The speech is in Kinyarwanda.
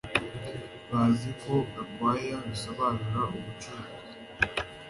Bazi ko Gakwaya bisobanura ubucuruzi